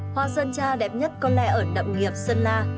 hoa sơn cha đẹp nhất có lẽ ở nậm nghiệp sơn la